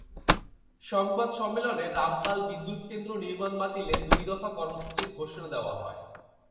সংবাদ সম্মেলনে রামপালে বিদ্যুৎকেন্দ্র নির্মাণ বাতিলে দুই দফা কর্মসূচির ঘোষণা দেওয়া হয়।